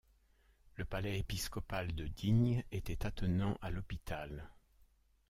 Le palais épiscopal de Digne était attenant à l’hôpital.